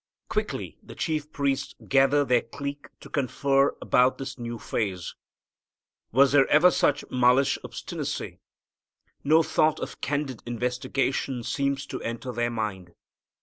Quickly the chief priests gather their clique to confer about this new phase. Was there ever such mulish obstinacy? No thought of candid investigation seems to enter their mind.